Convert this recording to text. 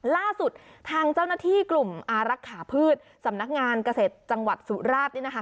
ล่าสุดทางเจ้าหน้าที่กลุ่มอารักษาพืชสำนักงานเกษตรจังหวัดสุราชนี่นะคะ